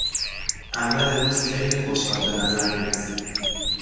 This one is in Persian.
احمد امروز خیلی خوشحال به نظر میرسید.